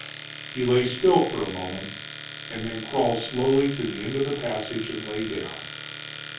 He lay still for a moment, and then crawled slowly to the end of the passage and lay down.